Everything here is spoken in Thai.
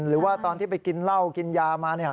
หรือว่าตอนที่ไปกินเหล้ากินยามาเนี่ย